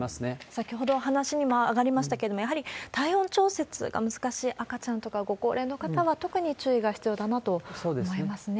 先ほど話にも上がりましたけど、やはり体温調節が難しい赤ちゃんとか、ご高齢の方は特に注意が必要だなと思いますね。